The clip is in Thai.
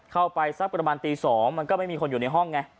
เข้าไปสักประมาณตี๒มันก็ไม่มีคนอยู่ในห้องไง